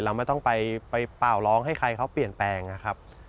เราไม่ต้องไปเปล่าร้องให้ใครเขาเปลี่ยนแปลงนะครับ